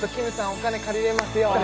お金借りられますように！